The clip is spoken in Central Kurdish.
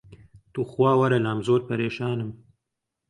توخوا وەرە لام زۆر پەرێشانم